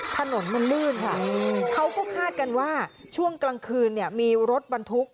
ถนนมันลื่นค่ะเขาก็คาดกันว่าช่วงกลางคืนเนี่ยมีรถบรรทุก